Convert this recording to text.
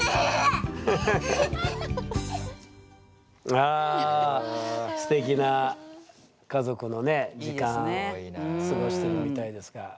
あすてきな家族のね時間過ごしてるみたいですが。